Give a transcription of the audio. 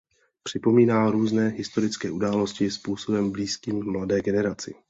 Připomíná různé historické události způsobem blízkým mladé generaci.